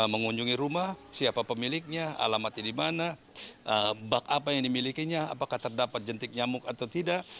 mengunjungi rumah siapa pemiliknya alamatnya di mana bak apa yang dimilikinya apakah terdapat jentik nyamuk atau tidak